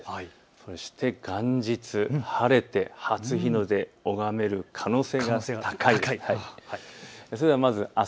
そして元日、晴れて初日の出を拝める可能性が高いです。